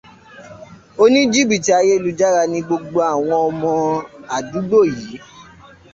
Oníjìbìtì ayélujára ni gbogbo àwọn ọmọ àdúgbò yìí.